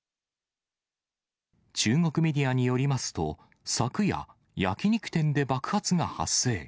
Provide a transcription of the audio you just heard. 中国メディアによりますと、昨夜、焼き肉店で爆発が発生。